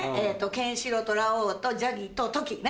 ケンシロウとラオウとジャギとトキね。